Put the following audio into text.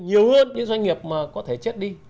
nhiều hơn những doanh nghiệp mà có thể chết đi